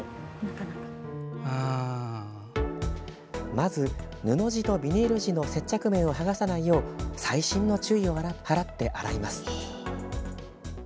まず、布地とビニール地の接着面をはがさないよう細心の注意を払って洗います。